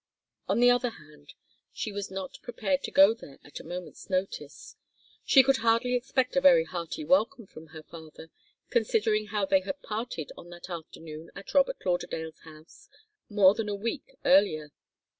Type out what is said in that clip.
On the other hand, she was not prepared to go there at a moment's notice. She could hardly expect a very hearty welcome from her father, considering how they had parted on that afternoon at Robert Lauderdale's house more than a week earlier.